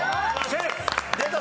出た！